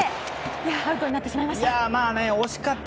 アウトになってしまいました。